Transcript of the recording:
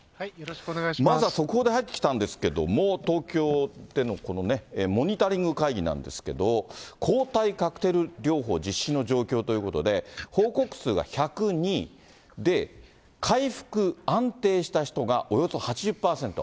まずは速報で入ってきたんですけれども、東京でのこのモニタリング会議なんですけれども、抗体カクテル療法実施の状況ということで、報告数が１０２、回復、安定した人がおよそ８０％。